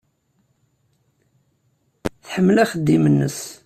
Tḥemmel axeddim-nnes.